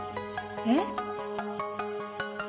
えっ！？